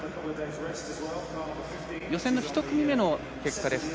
予選の１組目の結果です。